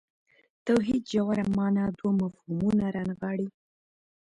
توحید ژوره معنا دوه مفهومونه رانغاړي.